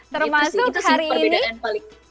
termasuk hari ini